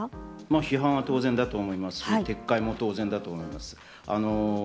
批判は当然だと思いますし、撤回も当然だと思います。